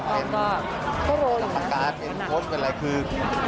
แล้วก็เป็นตำกาลเป็นโฟนเป็นอะไรคือ